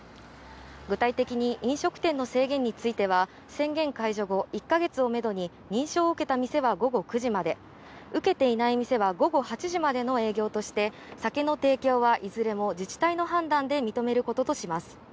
具体的に飲食店の制限については宣言解除後１か月をめどに認証を受けた店は午後９時まで、受けていない店は午後８時までの営業として酒の提供はいずれも自治体の判断で認めることとします。